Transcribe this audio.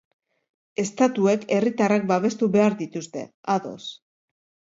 Estatuek herritarrak babestu behar dituzte, ados.